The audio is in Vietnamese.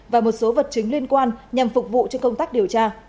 và một số vật chứng liên quan nhằm phục vụ cho công tác điều tra